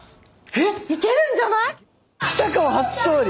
えっ！